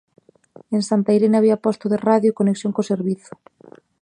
En Santa Irene había posto de radio e conexión co Servizo.